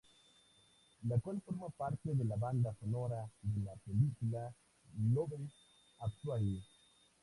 La cual forma parte de la banda sonora de la película Love Actually.